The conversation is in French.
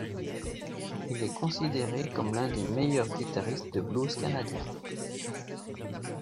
Il est considéré comme l’un des meilleurs guitariste de Blues canadien.